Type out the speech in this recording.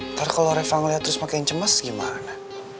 ntar kalau reva ngeliat terus makin cemas gimana